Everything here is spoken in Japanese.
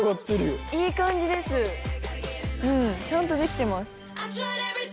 うんちゃんと出来てます。